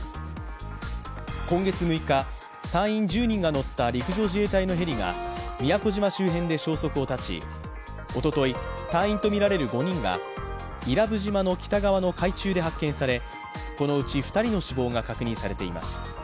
今月６日、隊員１０人が乗った陸上自衛隊のヘリが宮古島周辺で消息を絶ちおととい、隊員とみられる５人が伊良部島の北側の海中で発見されこのうち２人の死亡が確認されています。